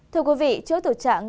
thưa quý vị trước tựa trạng